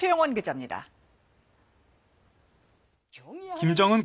キム・ジョンウン